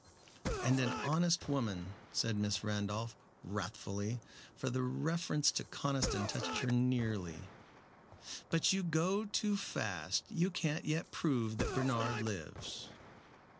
"And an honest woman," said Miss Randolph, wrathfully, for the reference to Conniston touched her nearly; "but you go too fast. You can't yet prove that Bernard lives."